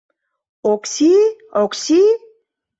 Окси, Окси!